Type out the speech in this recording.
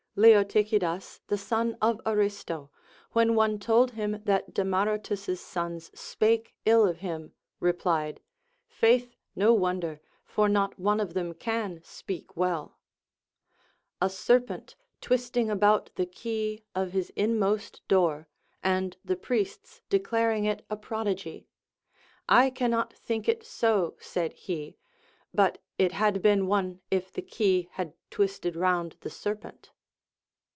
Leotychidas the son of Aristo, Avhen one told him that Demaratus's sons spake ill of him, replied, Faith, no • wonder, for not one of them can speak well. A serpent LACONIC APOPHTHEGMS. 417 twisting about the key of his inmost door, and the priests dedaring it a prodigy ; I cannot think it so, said he, but it had been one if the key had twisted round the serpent.